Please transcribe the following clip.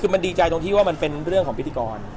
มันดีใจตอนมันเป็นเรื่องของพิธีกร